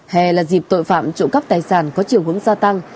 hè là dịp tội phạm trộm cắt tài sản có triều hướng gia tăng